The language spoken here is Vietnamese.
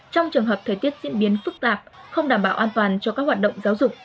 trong trường hợp thời tiết diễn biến phức tạp không đảm bảo an toàn cho các hoạt động giáo dục